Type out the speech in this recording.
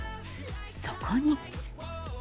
そこに。